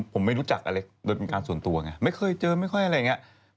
ผมไม่รู้จักอะไรโดยเป็นการส่วนตัวไงไม่เคยเจอไม่ค่อยอะไรอย่างนี้